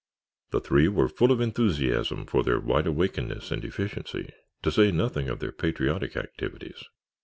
The three were full of enthusiasm for their wide awakeness and efficiency, to say nothing of their patriotic activities.